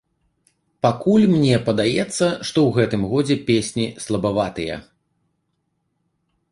Пакуль мне падаецца, што ў гэтым годзе песні слабаватыя.